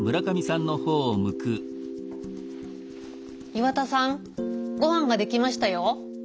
岩田さんごはんが出来ましたよ。